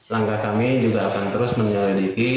langkah kami juga akan terus menyelidiki